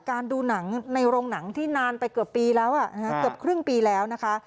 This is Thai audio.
ดูหนังในโรงหนังที่นานไปเกือบปีแล้วเกือบครึ่งปีแล้วนะคะ